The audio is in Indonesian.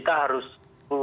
sudah dapat dipastikan